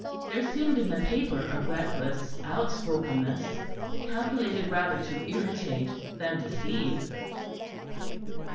There seemed in the paper a reckless outspokenness, calculated rather to irritate than deceive.